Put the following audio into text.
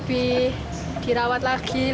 lebih dirawat terus dibersihkan terus